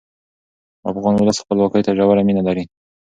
افغان ولس خپلواکۍ ته ژوره مینه لري.